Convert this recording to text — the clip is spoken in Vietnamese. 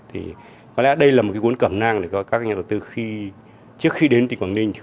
thì có lẽ đây là một cuốn cẩm nang để các nhà đầu tư trước khi đến tỉnh quảng ninh